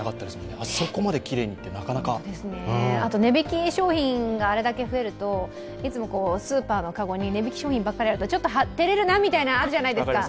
あそこまできれいにって、なかなか値引き商品があれだけ増えると、いつもスーパーの籠に値引き商品ばっかりあるとちょっとてれるなみたいなのあるじゃないですか。